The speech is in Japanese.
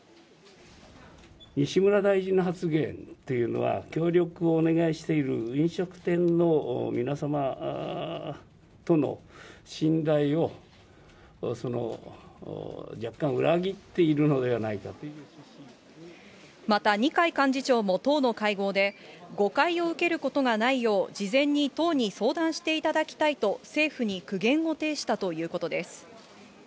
西村大臣の発言というのは、協力をお願いしている飲食店の皆様との信頼を若干裏切っているのまた、二階幹事長も党の会合で、誤解を受けることがないよう、事前に党に相談していただきたいと、政府に苦言を呈したということです。